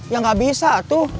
ya gak bisa tuh